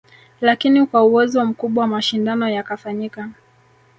Lakini kwa uwezo mkubwa mashindano yakafanyika